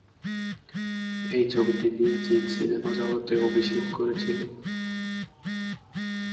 এই ছবিটি দিয়ে জিৎ সিনেমা জগতে অভিষেক করেছিলেন।